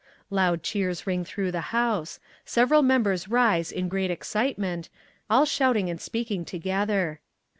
(Loud cheers ring through the House; several members rise in great excitement, all shouting and speaking together.)